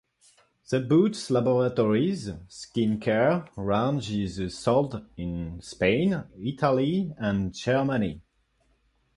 The Boots Laboratories skincare range is sold in Spain, Italy and Germany.